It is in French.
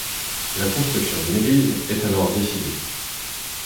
La construction d’une église est alors décidée.